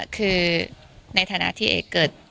คือในฐานะที่เอกเกิด